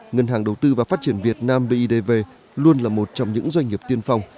ngân hàng đầu tư và phát triển việt nam bidv luôn là một trong những doanh nghiệp tiên phong